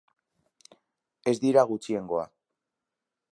Ez dira gutxiengoa.